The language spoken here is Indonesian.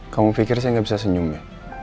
kamu pikir saya nggak bisa senyum ya